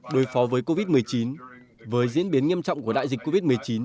đối phó với covid một mươi chín với diễn biến nghiêm trọng của đại dịch covid một mươi chín